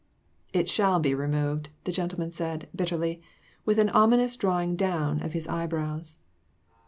"It shall be removed," the gentleman said, bit terly, with, an ominous drawing down of his eyebrows.